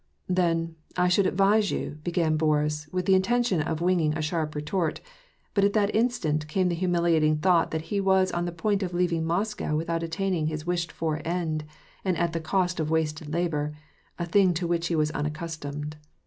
"Then, I should advise you" — began Boris, with the in tention of winging a sharp retort ; but at that instant came the humiliating thought that he was on the point of leaving Moscow without attaining his wished for end, and at the cost of wasted labor, — a thing to which he was unaccustomed.